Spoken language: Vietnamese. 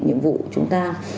nhiệm vụ chúng ta